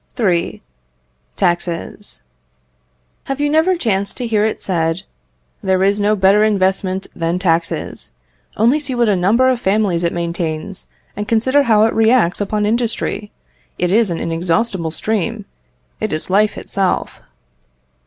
III. Taxes. Have you never chanced to hear it said: "There is no better investment than taxes. Only see what a number of families it maintains, and consider how it reacts upon industry: it is an inexhaustible stream, it is life itself."